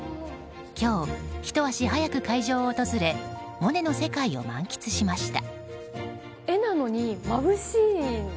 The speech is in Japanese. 今日、ひと足早く会場を訪れモネの世界を満喫しました。